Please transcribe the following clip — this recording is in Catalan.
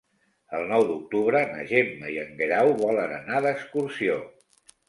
El nou d'octubre na Gemma i en Guerau volen anar d'excursió.